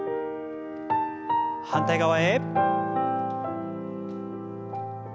反対側へ。